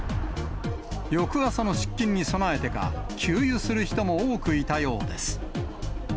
翌朝の出勤に備えてか、給油する人も多くいたようです。